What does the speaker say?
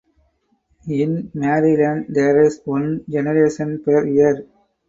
In Maryland there is one generation per year.